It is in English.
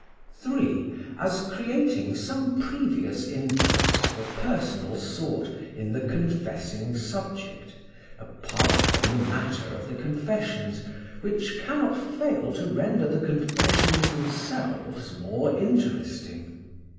3. As creating some previous interest of a personal sort in the confessing subject, apart from the matter of the confessions, which cannot fail to render the confessions themselves more interesting.